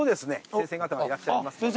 先生方がいらっしゃいますので。